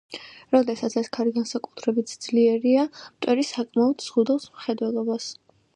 როდესაც ეს ქარი განსაკუთრებით ძლიერია, მტვერი საკმაოდ ზღუდავს მხედველობას.